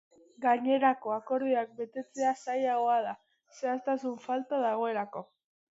Gainerako akordioak betetzea zailagoa da, zehaztasun falta dagoelako.